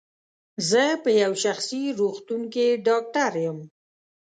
زه په یو شخصي روغتون کې ډاکټر یم.